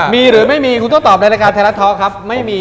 มีหรือไม่มีคุณต้องตอบเลยนะคะแถลรัทท็อกครับ